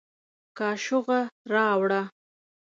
کاشوغه راوړه